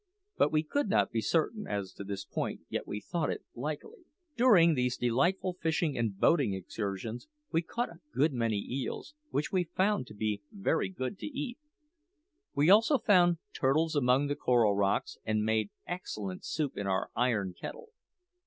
But we could not be certain as to this point, yet we thought it likely. During these delightful fishing and boating excursions we caught a good many eels, which we found to be very good to eat. We also found turtles among the coral rocks, and made excellent soup in our iron kettle.